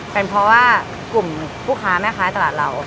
เป็นเพราะว่ากลุ่มผู้ค้าแม่ค้าตลาดเรา